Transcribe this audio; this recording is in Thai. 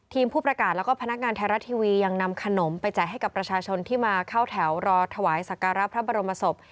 ผู้ประกาศแล้วก็พนักงานไทยรัฐทีวียังนำขนมไปแจกให้กับประชาชนที่มาเข้าแถวรอถวายสักการะพระบรมศพ